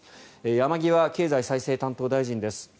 山際経済再生担当大臣です。